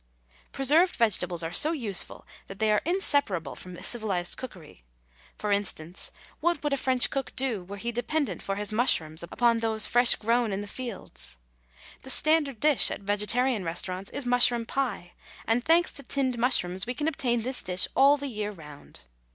Preserved vegetables are so useful that they are inseparable from civilised cookery; for instance, what would a French cook do were he dependent for his mushrooms upon these fresh grown in the fields? The standard dish at vegetarian restaurants is mushroom pie, and, thanks to tinned mushrooms, we can obtain this dish all the year round.